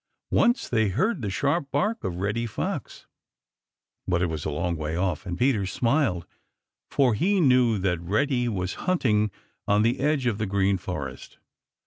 Once they heard the sharp bark of Reddy Fox, but it was a long way off, and Peter smiled, for he knew that Reddy was hunting on the edge of the Green Forest.